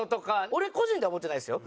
俺個人では思ってないですよ。